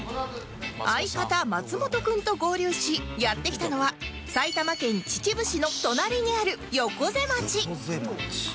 相方松本くんと合流しやって来たのは埼玉県秩父市の隣にある横瀬町